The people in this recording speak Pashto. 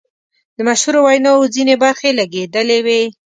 د مشهورو ویناوو ځینې برخې لګیدلې وې.